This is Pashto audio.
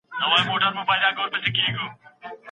څنګه هغه له ډاره اوږده لاره د اتڼ لپاره وهي؟